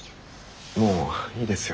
もういいですよ。